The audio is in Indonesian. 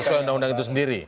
sesuai undang undang itu sendiri